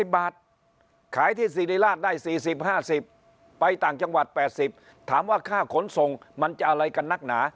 ขายที่สิริราชได้๔๐๕๐ไปต่างจังหวัด๘๐ถามว่าค่าขนส่งมันจะอะไรกันนักหนา